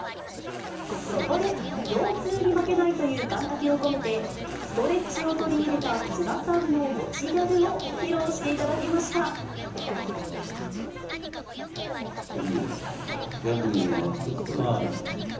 そこで、腰痛に負けないという願かけを込めて、ストレッチを取り入れた津田さんの持ちギャグを披露していただきいいよね、ギャグにもなって、ストレッチにもなる。